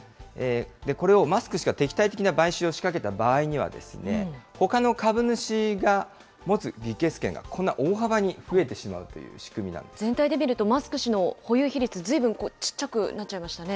これをマスク氏が敵対的な買収を仕掛けた場合には、ほかの株主が持つ議決権がこんな大幅に増えてしまうという仕組み全体で見るとマスク氏の保有比率、ずいぶんちっちゃくなっちゃいましたね。